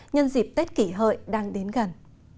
nhân dịp tết kỷ hợi đang đến gần